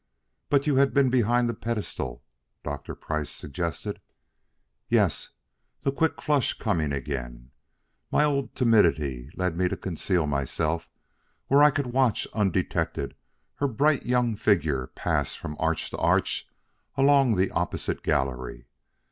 "But you had been behind the pedestal?" Dr. Price suggested. "Yes" the quick flush coming again. "My old timidity led me to conceal myself where I could watch undetected her bright young figure pass from arch to arch along the opposite gallery.